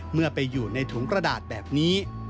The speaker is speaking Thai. เมื่อไปอยู่ในถุงกระดาษแบบนี้